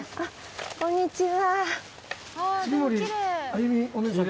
こんにちは。